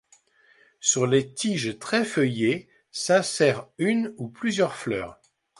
Sur les tiges très feuillées s'insèrent une ou plusieurs fleurs.